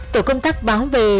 tổ công tác báo về